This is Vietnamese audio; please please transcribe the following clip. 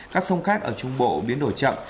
các sông khác ở trung bộ biến đổi chậm